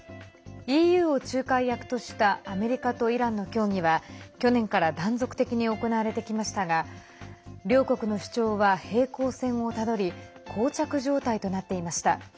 ＥＵを仲介役としたアメリカとイランの協議は去年から断続的に行われてきましたが両国の主張は平行線をたどりこう着状態となっていました。